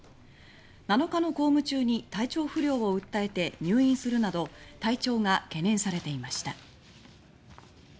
７日の公務中に体調不良を訴え入院するなど体調が懸念されていました。